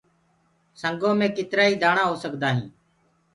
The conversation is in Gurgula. سنگو مي ڪيترآ ئي دآڻآ هو سگدآئين